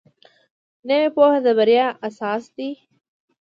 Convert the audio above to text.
نوې پوهه د بریا اساس دی